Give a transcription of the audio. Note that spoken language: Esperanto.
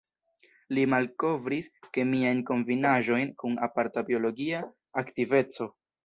Li malkovris kemiajn kombinaĵojn kun aparta biologia aktiveco.